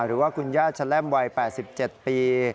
หรือว่าคุณญาชะแล้มวัย๘๗ปี